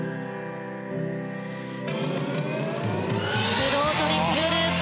スロートリプルループ。